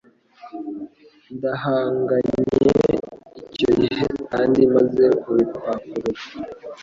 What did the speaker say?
Ndahanganye icyo gihe kandi maze kubipakurura